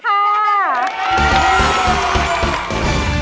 ก็ได้เลย